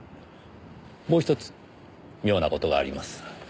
もうひとつ妙な事があります。